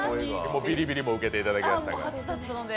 ビリビリも受けていただきましたから。